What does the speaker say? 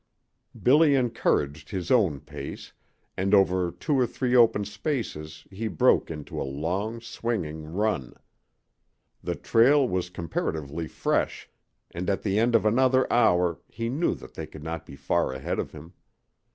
Billy encouraged his own pace, and over two or three open spaces he broke into a long, swinging run. The trail was comparatively fresh, and at the end of another hour he knew that they could not be far ahead of him.